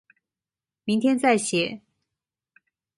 明天再寫